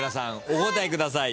お答えください。